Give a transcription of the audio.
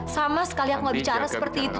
sama sekali aku nggak bicara seperti itu